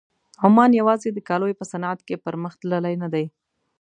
عمان یوازې د کالیو په صنعت کې پرمخ تللی نه دی.